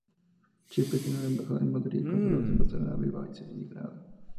Chipre tiene una embajada en Madrid y consulados en Barcelona, Bilbao, Sevilla y Granada.